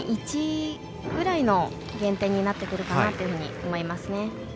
０．１ぐらいの減点になってくるかなと思います。